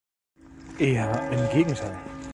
Eher im Gegenteil.